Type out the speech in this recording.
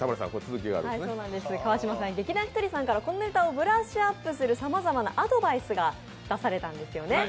川島さん、劇団ひとりさんからこのネタをブラッシュアップするさまざまなアドバイスが出されたんですよね。